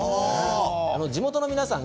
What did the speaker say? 地元の皆さん